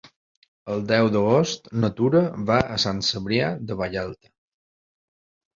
El deu d'agost na Tura va a Sant Cebrià de Vallalta.